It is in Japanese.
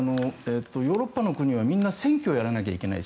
ヨーロッパの国はみんな選挙をやらないといけない。